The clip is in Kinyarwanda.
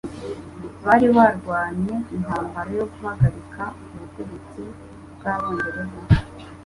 Bari barwanye intambara yo guhagarika ubutegetsi bwabongereza.